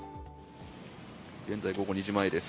現在午後２時前です。